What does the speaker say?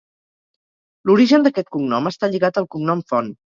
L'origen d'aquest cognom està lligat al cognom Font.